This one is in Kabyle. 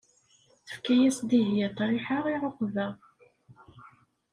Tefka-as Dihyia ṭriḥa i ɛuqba.